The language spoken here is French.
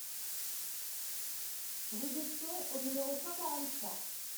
Rue d'Etion au numéro cent quarante-trois